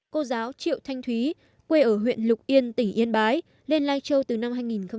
cô giáo triệu thanh thúy quê ở huyện lục yên tỉnh yên bái lên lai châu từ năm hai nghìn một mươi